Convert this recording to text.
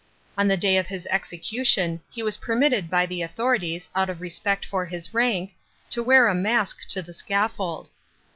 On the day of his execution he was permitted by the authorities, out of respect for his rank, to wear a mask to the scaffold.